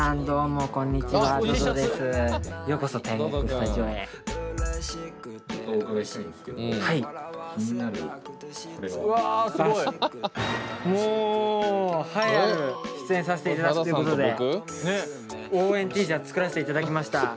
もう栄えある出演させていただくということで応援Ｔシャツ作らせていただきました。